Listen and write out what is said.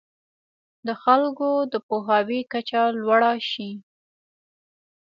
د خلکو د پوهاوي کچه لوړه شي.